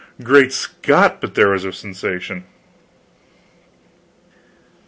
Great Scott, but there was a sensation!